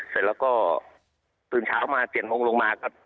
เสร็จแล้วก็ตื่นเช้ามาเปลี่ยนโมงลงมา